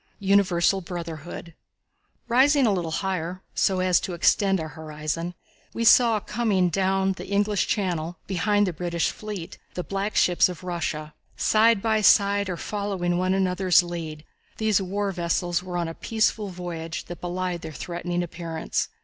Universal Brotherhood. Rising a little higher, so as to extend our horizon, we saw coming down the English channel, behind the British fleet, the black ships of Russia. Side by side, or following one another's lead, these war fleets were on a peaceful voyage that belied their threatening appearance.